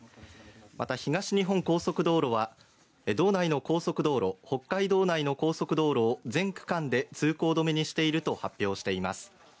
また東日本高速道路は北海道内の高速道路を全区間で通行止めにしていると発表しています。